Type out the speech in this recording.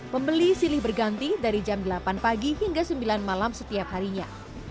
pembeli silih berganti dari jam delapan pagi hingga sembilan malam setiap harinya